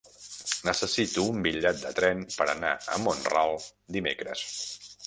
Necessito un bitllet de tren per anar a Mont-ral dimecres.